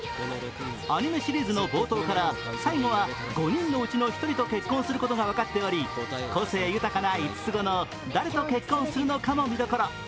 アニメシリーズの冒頭から、最後は５人のうちの１人と結婚することが分かっており個性豊かな５つ子と誰と結婚するかも見どころ。